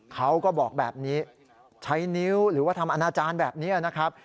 เขาก็บอกแบบนี้ใช้นิ้วหรือว่าทำอนาจารย์แบบนี้นะครับ